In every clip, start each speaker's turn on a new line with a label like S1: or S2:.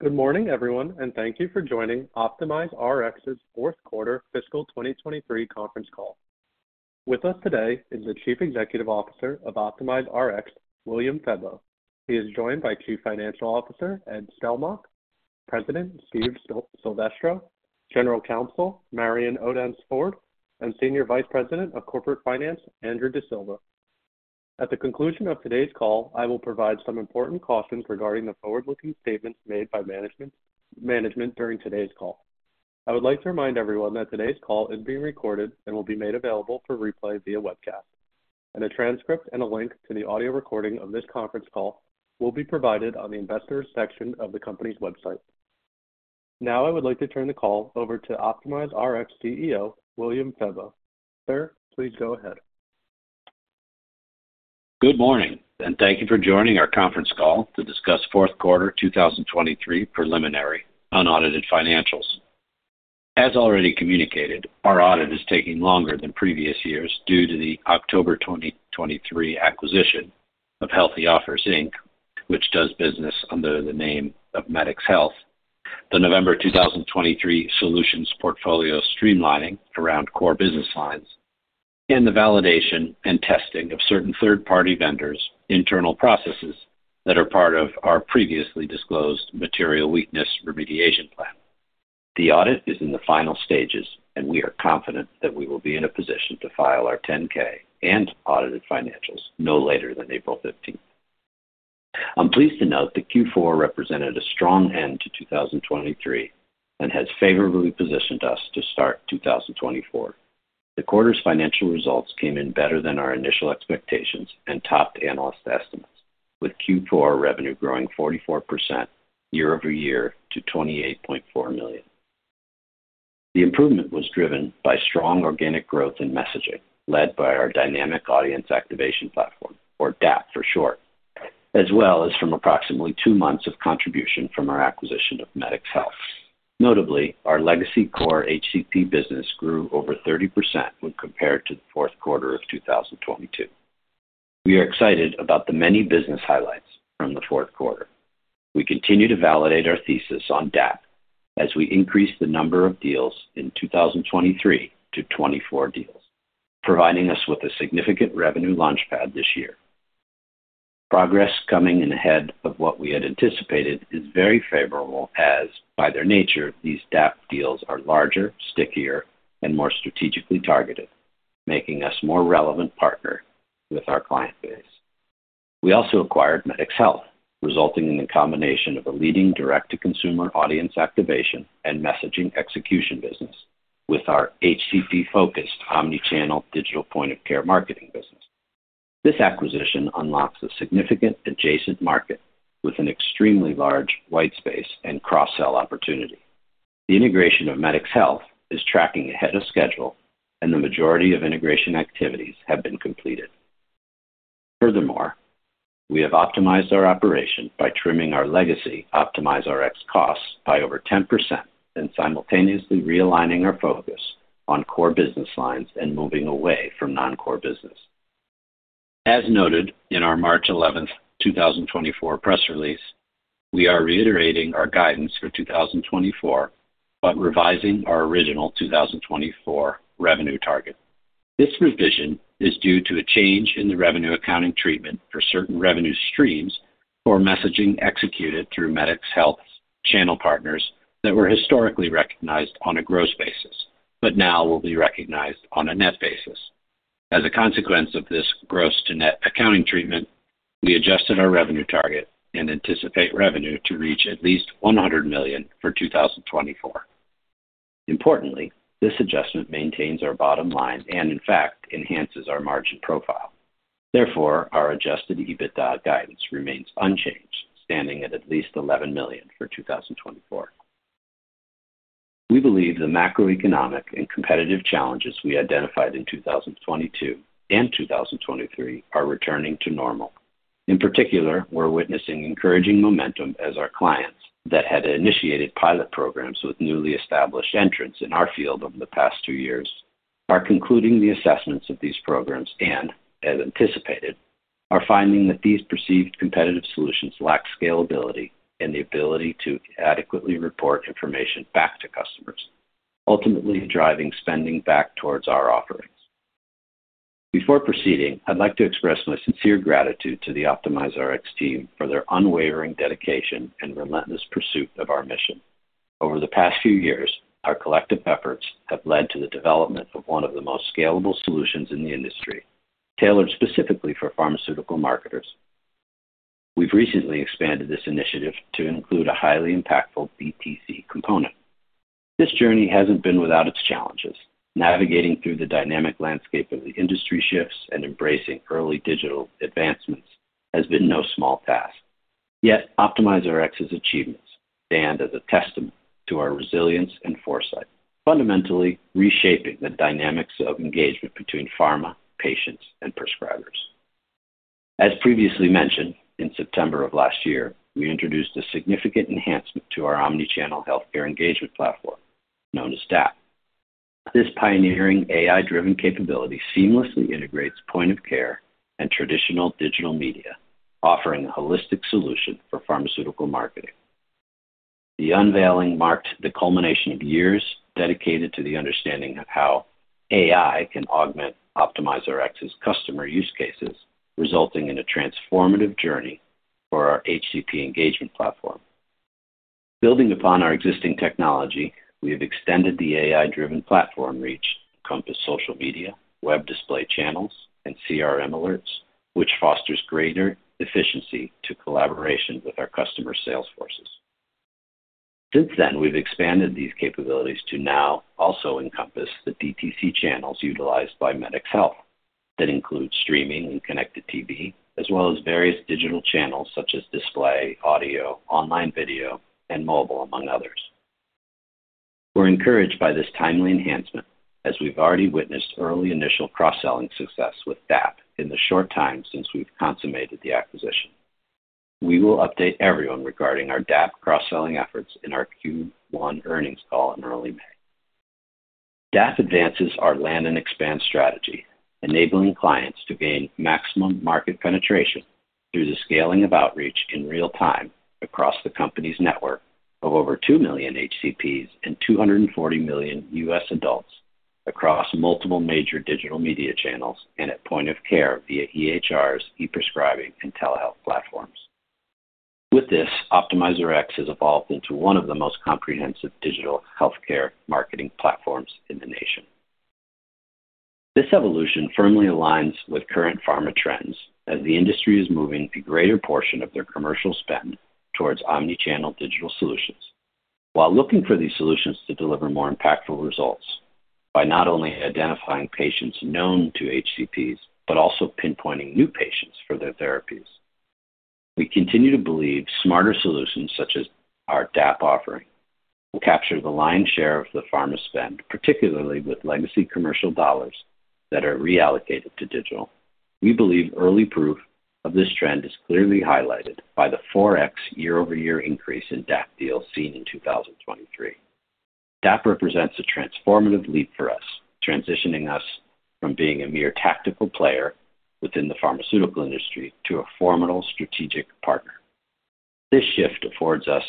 S1: Good morning, everyone, and thank you for joining OptimizeRx's fourth-quarter fiscal 2023 conference call. With us today is the Chief Executive Officer of OptimizeRx, William Febbo. He is joined by Chief Financial Officer Ed Stelmakh, President Steve Silvestro, General Counsel Marion Odence-Ford, and Senior Vice President of Corporate Finance Andrew D'Silva. At the conclusion of today's call, I will provide some important cautions regarding the forward-looking statements made by management during today's call. I would like to remind everyone that today's call is being recorded and will be made available for replay via webcast, and a transcript and a link to the audio recording of this conference call will be provided on the investors' section of the company's website. Now I would like to turn the call over to OptimizeRx CEO William Febbo. Sir, please go ahead.
S2: Good morning, and thank you for joining our conference call to discuss fourth-quarter 2023 preliminary unaudited financials. As already communicated, our audit is taking longer than previous years due to the October 2023 acquisition of Healthy Offers, Inc., which does business under the name of Medicx Health, the November 2023 solutions portfolio streamlining around core business lines, and the validation and testing of certain third-party vendors' internal processes that are part of our previously disclosed material weakness remediation plan. The audit is in the final stages, and we are confident that we will be in a position to file our 10-K and audited financials no later than April 15th. I'm pleased to note that Q4 represented a strong end to 2023 and has favourably positioned us to start 2024. The quarter's financial results came in better than our initial expectations and topped analyst estimates, with Q4 revenue growing 44% year-over-year to $28.4 million. The improvement was driven by strong organic growth in messaging led by our Dynamic Audience Activation Platform, or DAP for short, as well as from approximately two months of contribution from our acquisition of Medicx Health. Notably, our legacy core HCP business grew over 30% when compared to the fourth quarter of 2022. We are excited about the many business highlights from the fourth quarter. We continue to validate our thesis on DAP as we increase the number of deals in 2023 to 24 deals, providing us with a significant revenue launchpad this year. Progress coming in ahead of what we had anticipated is very favorable as, by their nature, these DAP deals are larger, stickier, and more strategically targeted, making us a more relevant partner with our client base. We also acquired Medicx Health, resulting in a combination of a leading direct-to-consumer audience activation and messaging execution business with our HCP-focused omnichannel digital point-of-care marketing business. This acquisition unlocks a significant adjacent market with an extremely large white space and cross-sell opportunity. The integration of Medicx Health is tracking ahead of schedule, and the majority of integration activities have been completed. Furthermore, we have optimized our operation by trimming our legacy OptimizeRx costs by over 10% and simultaneously realigning our focus on core business lines and moving away from non-core business. As noted in our March 11, 2024, press release, we are reiterating our guidance for 2024 but revising our original 2024 revenue target. This revision is due to a change in the revenue accounting treatment for certain revenue streams for messaging executed through Medicx Health's channel partners that were historically recognized on a gross basis but now will be recognized on a net basis. As a consequence of this gross-to-net accounting treatment, we adjusted our revenue target and anticipate revenue to reach at least $100 million for 2024. Importantly, this adjustment maintains our bottom line and, in fact, enhances our margin profile. Therefore, our Adjusted EBITDA guidance remains unchanged, standing at least $11 million for 2024. We believe the macroeconomic and competitive challenges we identified in 2022 and 2023 are returning to normal. In particular, we're witnessing encouraging momentum as our clients that had initiated pilot programs with newly established entrants in our field over the past two years are concluding the assessments of these programs and, as anticipated, are finding that these perceived competitive solutions lack scalability and the ability to adequately report information back to customers, ultimately driving spending back towards our offerings. Before proceeding, I'd like to express my sincere gratitude to the OptimizeRx team for their unwavering dedication and relentless pursuit of our mission. Over the past few years, our collective efforts have led to the development of one of the most scalable solutions in the industry, tailored specifically for pharmaceutical marketers. We've recently expanded this initiative to include a highly impactful DTC component. This journey hasn't been without its challenges. Navigating through the dynamic landscape of the industry shifts and embracing early digital advancements has been no small task. Yet, OptimizeRx's achievements stand as a testament to our resilience and foresight, fundamentally reshaping the dynamics of engagement between pharma, patients, and prescribers. As previously mentioned, in September of last year, we introduced a significant enhancement to our omnichannel healthcare engagement platform, known as DAP. This pioneering AI-driven capability seamlessly integrates point-of-care and traditional digital media, offering a holistic solution for pharmaceutical marketing. The unveiling marked the culmination of years dedicated to the understanding of how AI can augment OptimizeRx's customer use cases, resulting in a transformative journey for our HCP engagement platform. Building upon our existing technology, we have extended the AI-driven platform reach to encompass social media, web display channels, and CRM alerts, which fosters greater efficiency to collaboration with our customer salesforces. Since then, we've expanded these capabilities to now also encompass the DTC channels utilized by Medicx Health that include streaming and connected TV, as well as various digital channels such as display, audio, online video, and mobile, among others. We're encouraged by this timely enhancement as we've already witnessed early initial cross-selling success with DAP in the short time since we've consummated the acquisition. We will update everyone regarding our DAP cross-selling efforts in our Q1 earnings call in early May. DAP advances our land-and-expand strategy, enabling clients to gain maximum market penetration through the scaling of outreach in real time across the company's network of over 2 million HCPs and 240 million US adults across multiple major digital media channels and at point-of-care via EHRs, e-prescribing, and telehealth platforms. With this, OptimizeRx has evolved into one of the most comprehensive digital healthcare marketing platforms in the nation. This evolution firmly aligns with current pharma trends as the industry is moving a greater portion of their commercial spend towards omnichannel digital solutions while looking for these solutions to deliver more impactful results by not only identifying patients known to HCPs but also pinpointing new patients for their therapies. We continue to believe smarter solutions such as our DAP offering will capture the lion's share of the pharma spend, particularly with legacy commercial dollars that are reallocated to digital. We believe early proof of this trend is clearly highlighted by the 4x year-over-year increase in DAP deals seen in 2023. DAP represents a transformative leap for us, transitioning us from being a mere tactical player within the pharmaceutical industry to a formidable strategic partner. This shift affords us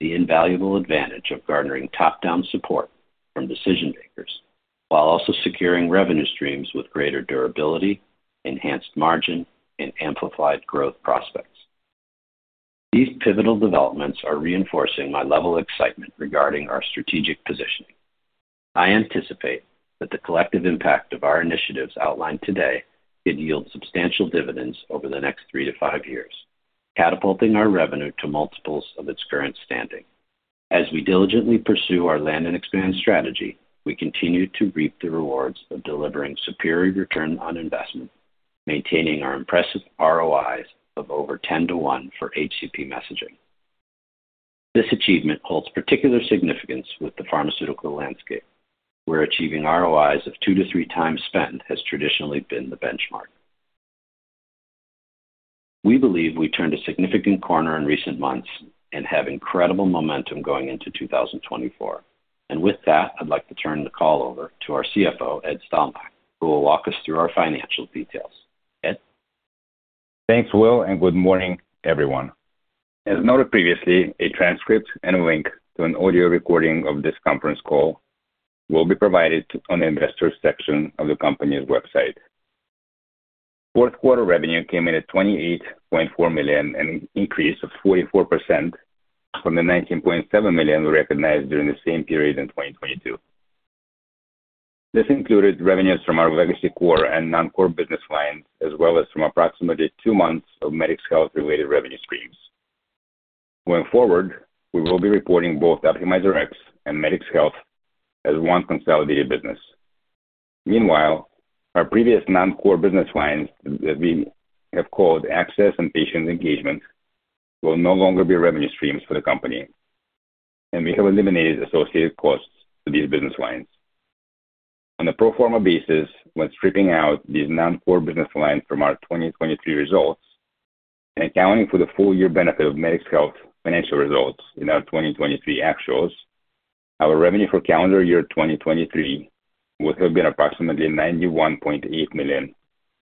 S2: the invaluable advantage of garnering top-down support from decision-makers while also securing revenue streams with greater durability, enhanced margin, and amplified growth prospects. These pivotal developments are reinforcing my level of excitement regarding our strategic positioning. I anticipate that the collective impact of our initiatives outlined today could yield substantial dividends over the next 3-5 years, catapulting our revenue to multiples of its current standing. As we diligently pursue our land-and-expand strategy, we continue to reap the rewards of delivering superior return on investment, maintaining our impressive ROIs of over 10-to-1 for HCP messaging. This achievement holds particular significance with the pharmaceutical landscape, where achieving ROIs of 2-to-3 times spend has traditionally been the benchmark. We believe we turned a significant corner in recent months and have incredible momentum going into 2024. With that, I'd like to turn the call over to our CFO, Ed Stelmakh, who will walk us through our financial details. Ed?
S3: Thanks, Will, and good morning, everyone. As noted previously, a transcript and a link to an audio recording of this conference call will be provided on the investors' section of the company's website. Fourth-quarter revenue came in at $28.4 million, an increase of 44% from the $19.7 million we recognized during the same period in 2022. This included revenues from our legacy core and non-core business lines as well as from approximately two months of Medicx Health-related revenue streams. Going forward, we will be reporting both OptimizeRx and Medicx Health as one consolidated business. Meanwhile, our previous non-core business lines that we have called Access and Patient Engagement will no longer be revenue streams for the company, and we have eliminated associated costs to these business lines. On a pro forma basis, when stripping out these non-core business lines from our 2023 results and accounting for the full-year benefit of Medicx Health financial results in our 2023 actuals, our revenue for calendar year 2023 would have been approximately $91.8 million,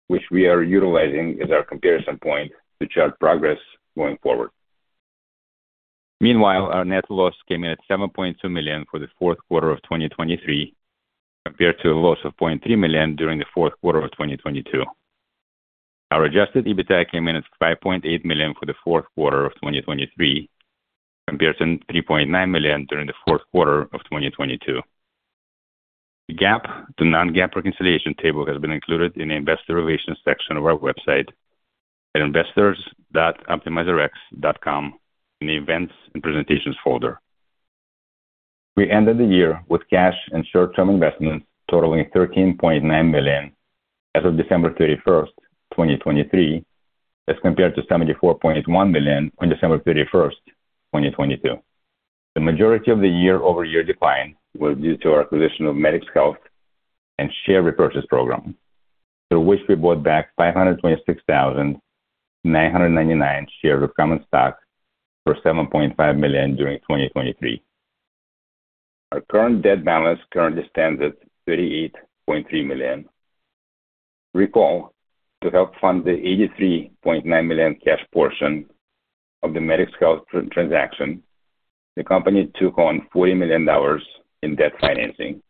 S3: which we are utilizing as our comparison point to chart progress going forward. Meanwhile, our net loss came in at $7.2 million for the fourth quarter of 2023 compared to a loss of $0.3 million during the fourth quarter of 2022. Our Adjusted EBITDA came in at $5.8 million for the fourth quarter of 2023 compared to $3.9 million during the fourth quarter of 2022. The GAAP to non-GAAP reconciliation table has been included in the investor relations section of our website at investors.optimizerx.com in the events and presentations folder. We ended the year with cash and short-term investments totaling $13.9 million as of December 31, 2023, as compared to $74.1 million on December 31, 2022. The majority of the year-over-year decline was due to our acquisition of Medicx Health and share repurchase program, through which we bought back 526,999 shares of common stock for $7.5 million during 2023. Our current debt balance currently stands at $38.3 million. Recall, to help fund the $83.9 million cash portion of the Medicx Health transaction, the company took on $40 million in debt financing,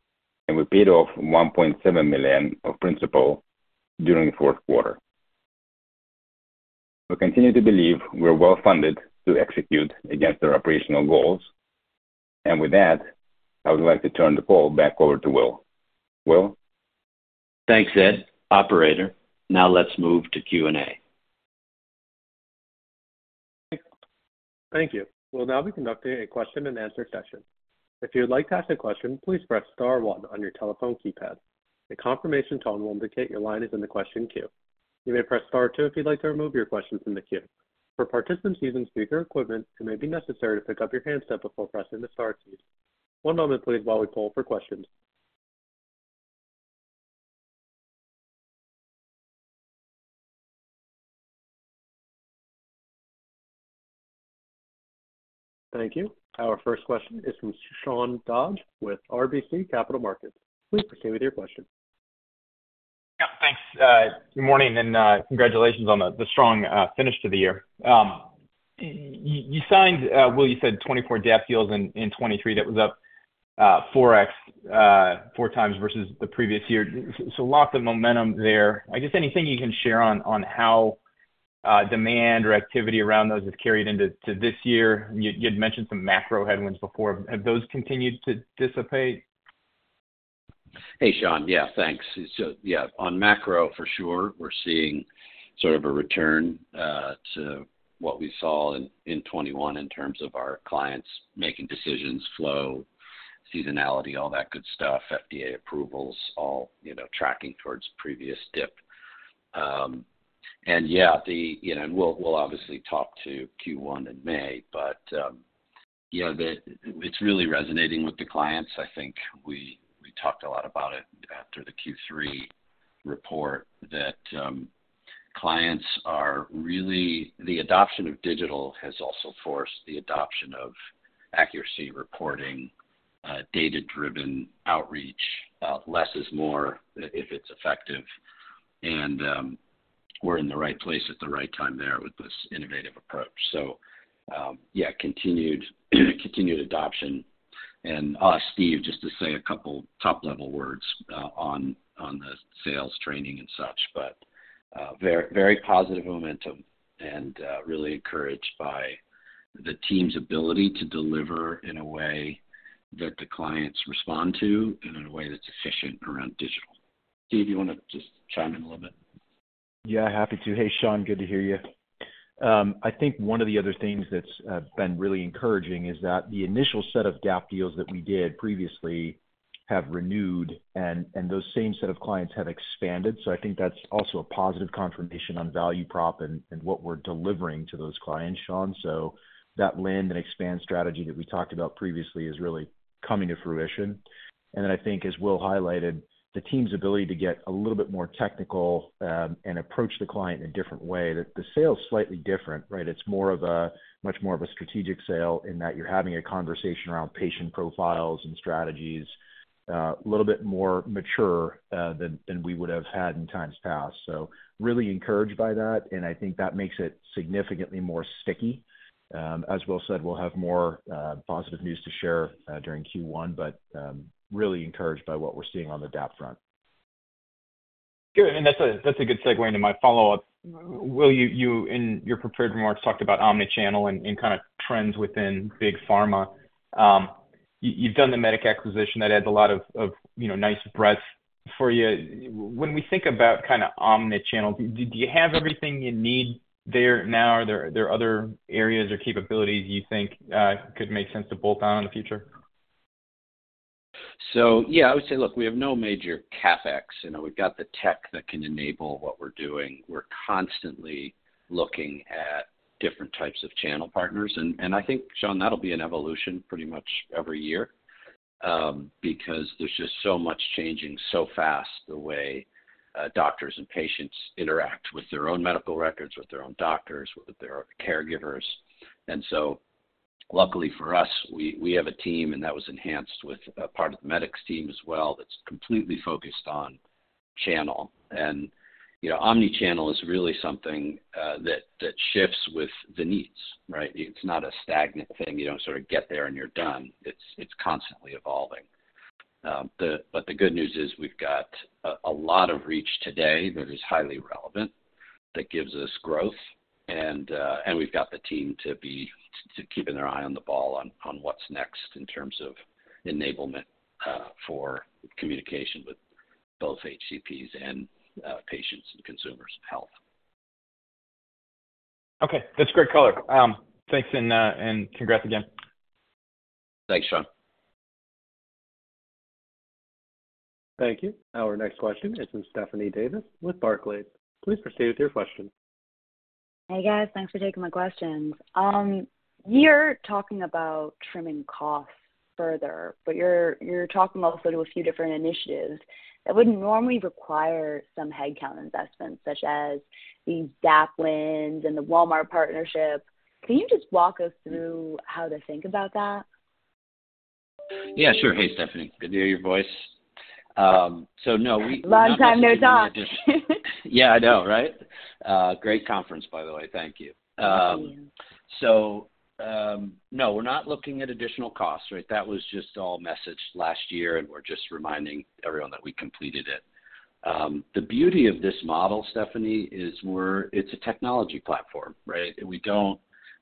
S3: and we paid off $1.7 million of principal during the fourth quarter. We continue to believe we're well-funded to execute against our operational goals. And with that, I would like to turn the call back over to Will. Will?
S2: Thanks, Ed. Operator. Now let's move to Q&A.
S4: Thank you. We'll now be conducting a question-and-answer session. If you would like to ask a question, please press star 1 on your telephone keypad. A confirmation tone will indicate your line is in the question queue. You may press star 2 if you'd like to remove your questions from the queue. For participants using speaker equipment, it may be necessary to pick up your handset before pressing the star keys. One moment, please, while we pull for questions. Thank you. Our first question is from Sean Dodge with RBC Capital Markets. Please proceed with your question.
S5: Yep. Thanks. Good morning, and congratulations on the strong finish to the year. You signed, Will, you said 24 DAP deals in 2023. That was up 4X, 4 times versus the previous year. So lots of momentum there. I guess anything you can share on how demand or activity around those has carried into this year? You'd mentioned some macro headwinds before. Have those continued to dissipate?
S2: Hey, Sean. Yeah, thanks. So yeah, on macro, for sure, we're seeing sort of a return to what we saw in 2021 in terms of our clients making decisions, flow, seasonality, all that good stuff, FDA approvals, all tracking towards previous dip. And yeah, and we'll obviously talk to Q1 in May. But yeah, it's really resonating with the clients. I think we talked a lot about it after the Q3 report, that clients are really the adoption of digital has also forced the adoption of accuracy reporting, data-driven outreach, less is more if it's effective. And we're in the right place at the right time there with this innovative approach. So yeah, continued adoption. And Steve, just to say a couple top-level words on the sales training and such, but very positive momentum and really encouraged by the team's ability to deliver in a way that the clients respond to and in a way that's efficient around digital. Steve, you want to just chime in a little bit?
S1: Yeah, happy to. Hey, Sean. Good to hear you. I think one of the other things that's been really encouraging is that the initial set of DAP deals that we did previously have renewed, and those same set of clients have expanded. So I think that's also a positive confirmation on value prop and what we're delivering to those clients, Sean. So that land-and-expand strategy that we talked about previously is really coming to fruition. And then I think, as Will highlighted, the team's ability to get a little bit more technical and approach the client in a different way, that the sales slightly different, right? It's more of a much more of a strategic sale in that you're having a conversation around patient profiles and strategies, a little bit more mature than we would have had in times past. So really encouraged by that. I think that makes it significantly more sticky. As Will said, we'll have more positive news to share during Q1, but really encouraged by what we're seeing on the DAP front.
S5: Good. That's a good segue into my follow-up. Will, in your prepared remarks, talked about omnichannel and kind of trends within big pharma. You've done the Medicx acquisition. That adds a lot of nice breadth for you. When we think about kind of omnichannel, do you have everything you need there now? Are there other areas or capabilities you think could make sense to bolt on in the future?
S2: So yeah, I would say, look, we have no major CapEx. We've got the tech that can enable what we're doing. We're constantly looking at different types of channel partners. And I think, Sean, that'll be an evolution pretty much every year because there's just so much changing so fast the way doctors and patients interact with their own medical records, with their own doctors, with their caregivers. And so luckily for us, we have a team, and that was enhanced with part of the Medicx team as well, that's completely focused on channel. And omnichannel is really something that shifts with the needs, right? It's not a stagnant thing. You don't sort of get there and you're done. It's constantly evolving. But the good news is we've got a lot of reach today that is highly relevant, that gives us growth. We've got the team to be keeping their eye on the ball on what's next in terms of enablement for communication with both HCPs and patients and consumers of health.
S5: Okay. That's great color. Thanks and congrats again.
S2: Thanks, Sean.
S4: Thank you. Our next question is from Stephanie Davis with Barclays. Please proceed with your question.
S6: Hey, guys. Thanks for taking my questions. You're talking about trimming costs further, but you're talking also to a few different initiatives that would normally require some headcount investment, such as these DAP wins and the Walmart partnership. Can you just walk us through how to think about that?
S2: Yeah, sure. Hey, Stephanie. Good to hear your voice. So no, we're not looking at additional.
S6: Long time, no talk.
S2: Yeah, I know, right? Great conference, by the way. Thank you.
S6: Thank you.
S2: So no, we're not looking at additional costs, right? That was just all messaged last year, and we're just reminding everyone that we completed it. The beauty of this model, Stephanie, is it's a technology platform, right?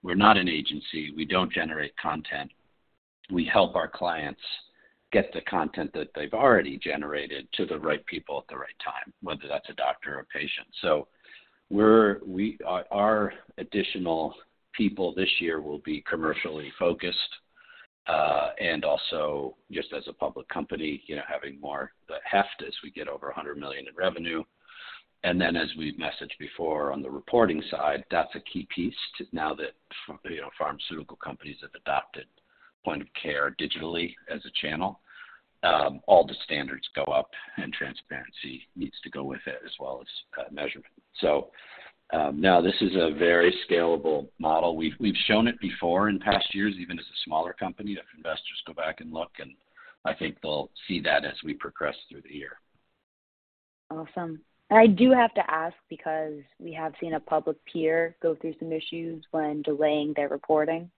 S2: We're not an agency. We don't generate content. We help our clients get the content that they've already generated to the right people at the right time, whether that's a doctor or a patient. So our additional people this year will be commercially focused and also just as a public company, having more heft as we get over $100 million in revenue. And then, as we've messaged before on the reporting side, that's a key piece. Now that pharmaceutical companies have adopted point-of-care digitally as a channel, all the standards go up, and transparency needs to go with it as well as measurement. So now this is a very scalable model. We've shown it before in past years, even as a smaller company. If investors go back and look, and I think they'll see that as we progress through the year.
S6: Awesome. And I do have to ask because we have seen a public peer go through some issues when delaying their reporting.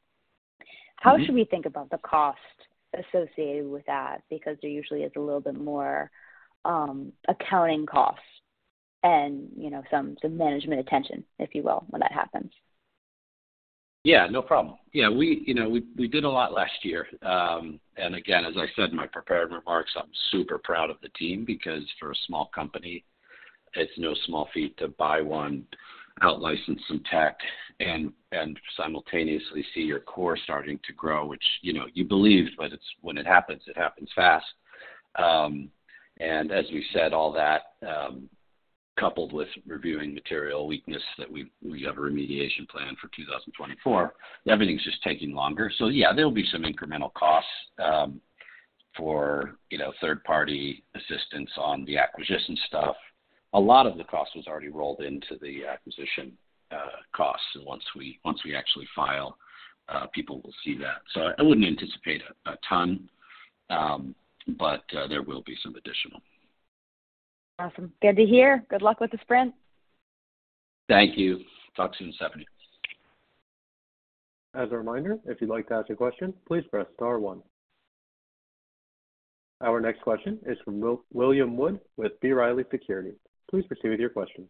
S6: How should we think about the cost associated with that because there usually is a little bit more accounting cost and some management attention, if you will, when that happens?
S2: Yeah, no problem. Yeah, we did a lot last year. Again, as I said in my prepared remarks, I'm super proud of the team because for a small company, it's no small feat to buy one, outlicense some tech, and simultaneously see your core starting to grow, which you believe, but when it happens, it happens fast. As we said, all that coupled with reviewing material weakness that we have a remediation plan for 2024, everything's just taking longer. So yeah, there'll be some incremental costs for third-party assistance on the acquisition stuff. A lot of the cost was already rolled into the acquisition costs, and once we actually file, people will see that. So I wouldn't anticipate a ton, but there will be some additional.
S6: Awesome. Good to hear. Good luck with the sprint.
S2: Thank you. Talk soon, Stephanie.
S4: As a reminder, if you'd like to ask a question, please press star 1. Our next question is from William Wood with B. Riley Securities. Please proceed with your question.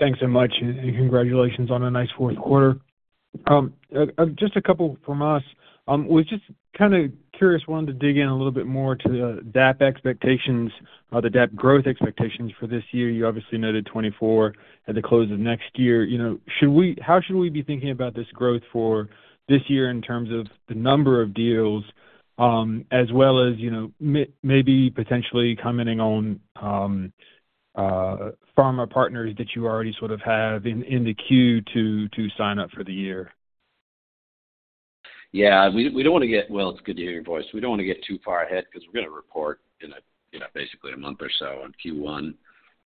S7: Thanks so much, and congratulations on a nice fourth quarter. Just a couple from us. We're just kind of curious, wanting to dig in a little bit more to the DAP expectations, the DAP growth expectations for this year. You obviously noted 2024 at the close of next year. How should we be thinking about this growth for this year in terms of the number of deals, as well as maybe potentially commenting on pharma partners that you already sort of have in the queue to sign up for the year?
S2: Yeah. We don't want to get well, it's good to hear your voice. We don't want to get too far ahead because we're going to report in basically a month or so on Q1.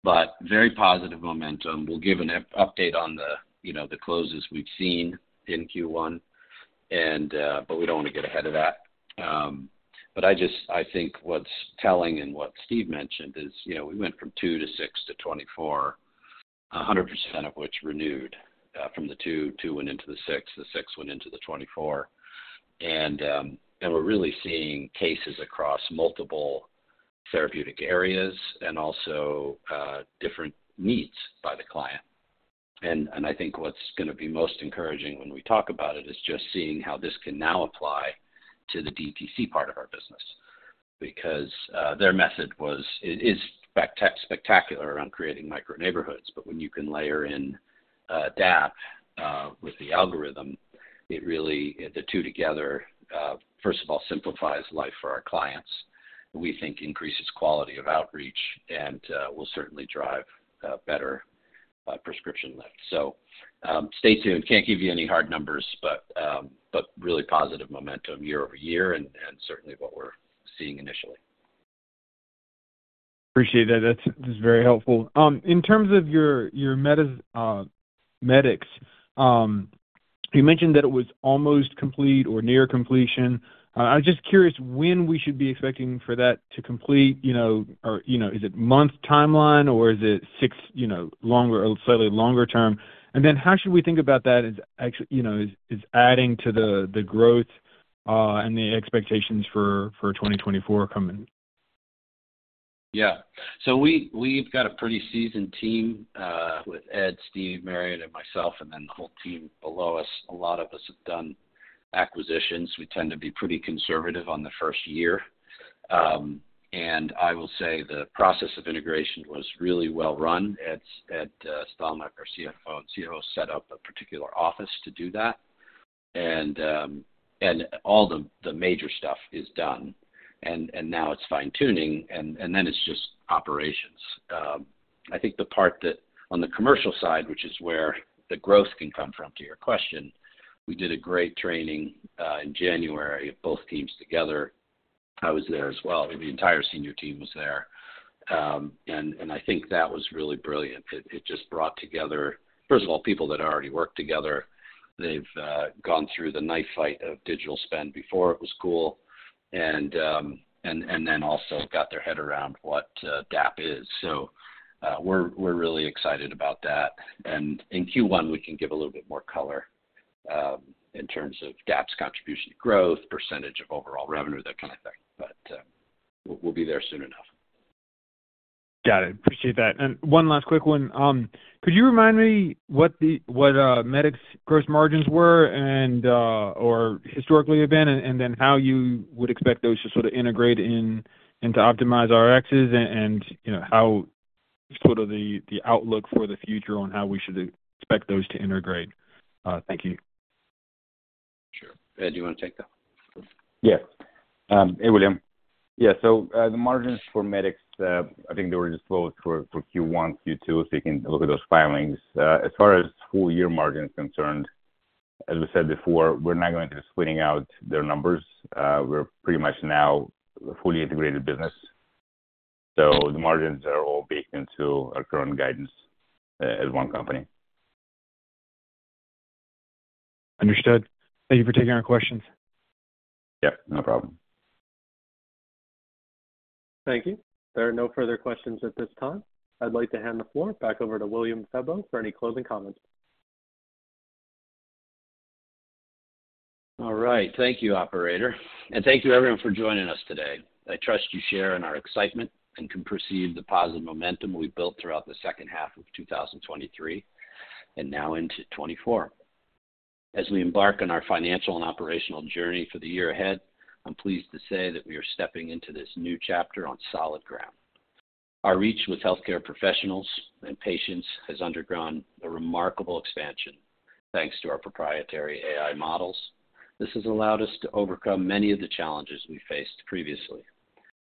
S2: But very positive momentum. We'll give an update on the closes we've seen in Q1, but we don't want to get ahead of that. But I think what's telling and what Steve mentioned is we went from 2 to 6 to 2024, 100% of which renewed. From the 2, 2 went into the 6. The 6 went into the 2024. And we're really seeing cases across multiple therapeutic areas and also different needs by the client. And I think what's going to be most encouraging when we talk about it is just seeing how this can now apply to the DTC part of our business because their method is spectacular around creating micro-neighborhoods. But when you can layer in DAP with the algorithm, the two together, first of all, simplifies life for our clients. We think increases quality of outreach and will certainly drive better prescription lift. So stay tuned. Can't give you any hard numbers, but really positive momentum year over year and certainly what we're seeing initially.
S7: Appreciate that. That's very helpful. In terms of your Medicx, you mentioned that it was almost complete or near completion. I'm just curious when we should be expecting for that to complete. Is it month timeline, or is it longer or slightly longer term? And then how should we think about that as adding to the growth and the expectations for 2024 coming?
S2: Yeah. So we've got a pretty seasoned team with Ed, Steve, Marion, and myself, and then the whole team below us. A lot of us have done acquisitions. We tend to be pretty conservative on the first year. I will say the process of integration was really well run. Ed Stelmakh, our CFO, set up a particular office to do that. All the major stuff is done. Now it's fine-tuning, and then it's just operations. I think the part that, on the commercial side, which is where the growth can come from to your question, we did a great training in January of both teams together. I was there as well. The entire senior team was there. I think that was really brilliant. It just brought together, first of all, people that already worked together. They've gone through the knife fight of digital spend before it was cool and then also got their head around what DAP is. So we're really excited about that. And in Q1, we can give a little bit more color in terms of DAP's contribution to growth, percentage of overall revenue, that kind of thing. But we'll be there soon enough.
S7: Got it. Appreciate that. And one last quick one. Could you remind me what Medicx gross margins were or historically have been, and then how you would expect those to sort of integrate into OptimizeRx and how sort of the outlook for the future on how we should expect those to integrate? Thank you.
S2: Sure. Ed, do you want to take that?
S3: Yeah. Hey, William. Yeah. So the margins for Medicx, I think they were disclosed for Q1, Q2, so you can look at those filings. As far as full-year margins concerned, as we said before, we're not going to be splitting out their numbers. We're pretty much now a fully integrated business. So the margins are all baked into our current guidance as one company.
S7: Understood. Thank you for taking our questions.
S3: Yep. No problem.
S4: Thank you. There are no further questions at this time. I'd like to hand the floor back over to William Febbo for any closing comments.
S2: All right. Thank you, operator. Thank you, everyone, for joining us today. I trust you share in our excitement and can perceive the positive momentum we've built throughout the second half of 2023 and now into 2024. As we embark on our financial and operational journey for the year ahead, I'm pleased to say that we are stepping into this new chapter on solid ground. Our reach with healthcare professionals and patients has undergone a remarkable expansion thanks to our proprietary AI models. This has allowed us to overcome many of the challenges we faced previously.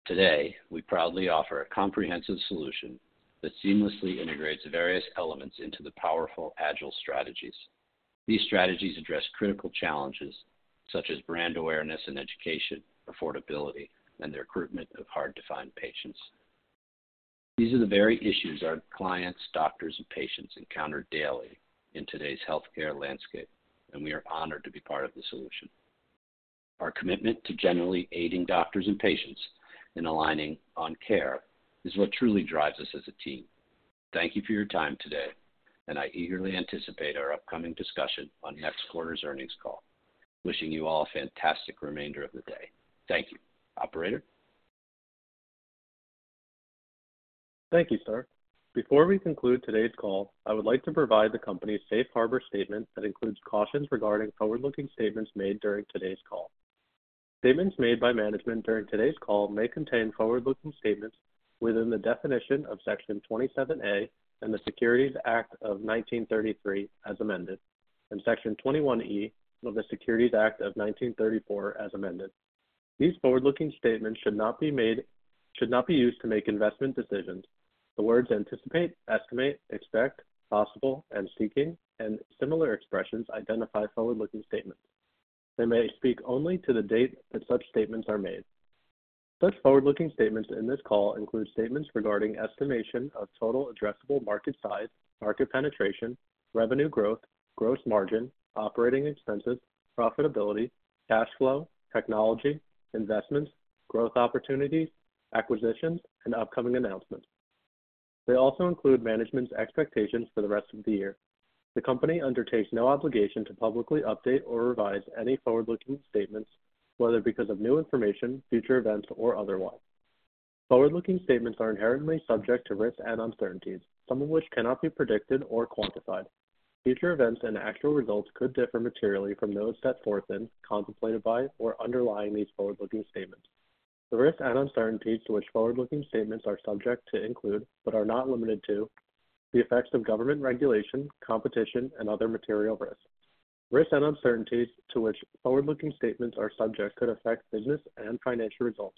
S2: Today, we proudly offer a comprehensive solution that seamlessly integrates various elements into the powerful Agile strategies. These strategies address critical challenges such as brand awareness and education, affordability, and the recruitment of hard-to-find patients. These are the very issues our clients, doctors, and patients encounter daily in today's healthcare landscape, and we are honored to be part of the solution. Our commitment to generally aiding doctors and patients in aligning on care is what truly drives us as a team. Thank you for your time today, and I eagerly anticipate our upcoming discussion on next quarter's earnings call. Wishing you all a fantastic remainder of the day. Thank you, operator.
S4: Thank you, sir. Before we conclude today's call, I would like to provide the company's safe harbor statement that includes cautions regarding forward-looking statements made during today's call. Statements made by management during today's call may contain forward-looking statements within the definition of Section 27A and the Securities Act of 1933 as amended, and Section 21E of the Securities Act of 1934 as amended. These forward-looking statements should not be used to make investment decisions. The words "anticipate," "estimate," "expect," "possible," and "seeking," and similar expressions identify forward-looking statements. They may speak only to the date that such statements are made. Such forward-looking statements in this call include statements regarding estimation of total addressable market size, market penetration, revenue growth, gross margin, operating expenses, profitability, cash flow, technology, investments, growth opportunities, acquisitions, and upcoming announcements. They also include management's expectations for the rest of the year. The company undertakes no obligation to publicly update or revise any forward-looking statements, whether because of new information, future events, or otherwise. Forward-looking statements are inherently subject to risks and uncertainties, some of which cannot be predicted or quantified. Future events and actual results could differ materially from those set forth in, contemplated by, or underlying these forward-looking statements. The risks and uncertainties to which forward-looking statements are subject to include, but are not limited to, the effects of government regulation, competition, and other material risks. Risks and uncertainties to which forward-looking statements are subject could affect business and financial results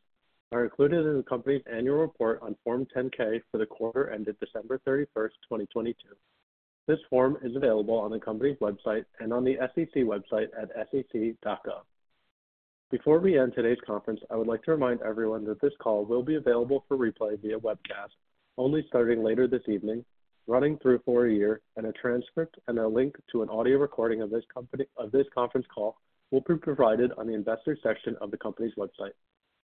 S4: are included in the company's annual report on Form 10-K for the quarter ended December 31st, 2022. This form is available on the company's website and on the SEC website at sec.gov. Before we end today's conference, I would like to remind everyone that this call will be available for replay via webcast only starting later this evening, running through for a year, and a transcript and a link to an audio recording of this conference call will be provided on the investor section of the company's website.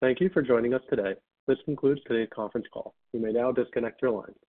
S4: Thank you for joining us today. This concludes today's conference call. You may now disconnect your lines.